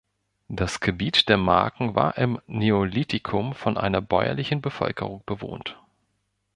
Das Gebiet der Marken war im Neolithikum von einer bäuerlichen Bevölkerung bewohnt.